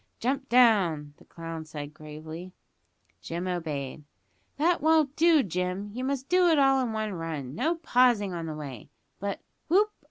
"Jump down," said the clown gravely. Jim obeyed. "That won't do, Jim. You must do it all in one run; no pausing on the way but, whoop!